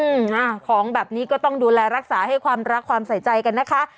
อืมอ่าของแบบนี้ก็ต้องดูแลรักษาให้ความรักความใส่ใจกันนะคะ